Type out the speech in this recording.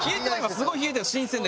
すごい冷えてる新鮮で。